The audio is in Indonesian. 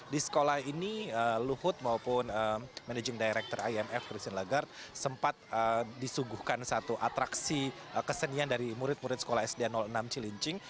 di sekolah ini luhut maupun managing director imf christine lagarde sempat disuguhkan satu atraksi kesenian dari murid murid sekolah sd enam cilincing